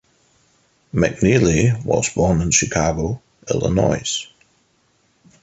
McNeely was born in Chicago, Illinois.